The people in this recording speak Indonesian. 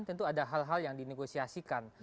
tentu ada hal hal yang dinegosiasikan